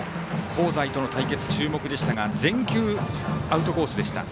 香西との対決、注目でしたが全球、アウトコースでした。